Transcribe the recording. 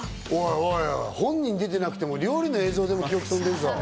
おいおい、本人出てなくても料理の映像でも記憶とんでんぞ。